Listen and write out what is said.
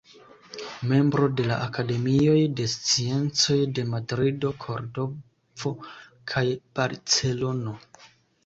Membro de la Akademioj de Sciencoj de Madrido, Kordovo kaj Barcelono.